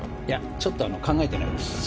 ちょっと考えてないです。